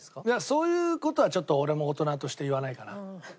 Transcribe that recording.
いやそういう事はちょっと俺も大人として言わないかな。